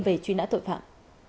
về truy nã tội phạm